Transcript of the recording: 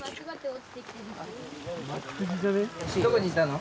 どこにいたの？